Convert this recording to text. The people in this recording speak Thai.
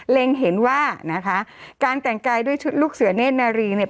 เห็นว่านะคะการแต่งกายด้วยชุดลูกเสือเนธนารีเนี่ย